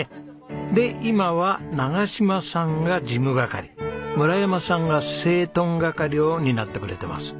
で今は長嶋さんが事務係村山さんが整頓係を担ってくれてます。